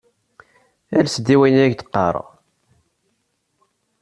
Ales-d i wayen ay ak-d-qqareɣ.